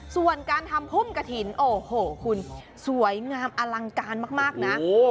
ส่วนการทำพุ่มกระถิ่นโอ้โหคุณสวยงามอลังการมากนะ